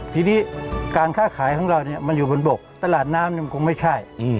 ทีนี้การค้าขายของเรามันอยู่บนบกตลาดน้ำมันคงไม่ใช่